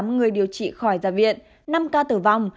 bốn trăm tám mươi tám người điều trị khỏi gia viện năm ca tử vong